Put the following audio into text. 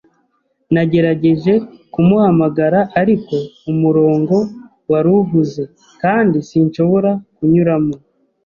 Nagerageje kumuhamagara, ariko umurongo wari uhuze, kandi sinshobora kunyuramo.